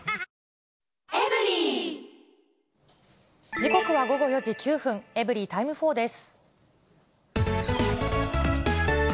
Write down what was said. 時刻は午後４時９分、エブリィタイム４です。